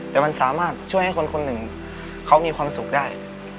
แต่มันสามารถช่วยให้คนคนหนึ่งเขามีความสุขได้